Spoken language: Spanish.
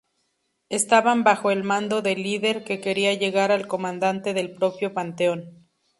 Estaban bajo el mando del Líder que quería llegar al comandante del propio Panteón.